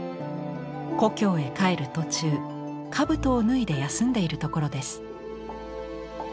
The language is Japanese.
故郷へ帰る途中兜を脱いで休んでいるところです。